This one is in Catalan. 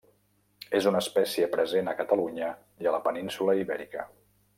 És una espècie present a Catalunya i a la península Ibèrica.